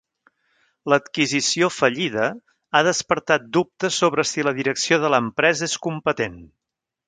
L'adquisició fallida ha despertat dubtes sobre si la direcció de l'empresa és competent.